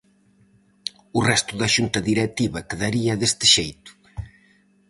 O resto da xunta directiva quedaría deste xeito: